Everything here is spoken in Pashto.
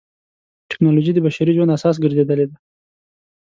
ټکنالوجي د بشري ژوند اساس ګرځېدلې ده.